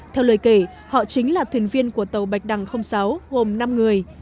theo lời kể họ chính là thuyền viên của tàu bạch đằng sáu gồm năm người